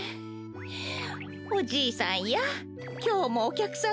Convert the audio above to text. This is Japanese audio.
おじいさんやきょうもおきゃくさん